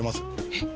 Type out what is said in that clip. えっ。